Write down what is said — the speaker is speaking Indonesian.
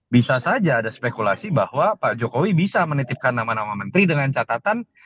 bisa saja ada spekulasi bahwa pak jokowi bisa menitipkan nama nama menteri dengan catatan